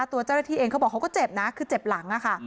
ตัวเจ้าหน้าที่เองเขาบอกเขาก็เจ็บนะคือเจ็บหลังอะค่ะ